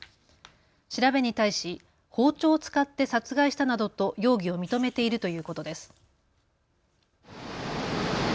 調べに対し包丁を使って殺害したなどと容疑を認めているということです。